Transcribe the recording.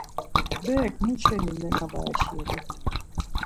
Berek muşeni nena var eşiğu?